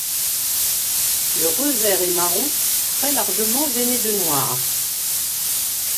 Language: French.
Le revers est marron très largement veiné de noir.